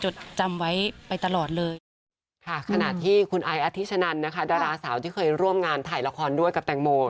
ดาราสาวที่เคยร่วมงานถ่ายละครด้วยกับแตงโม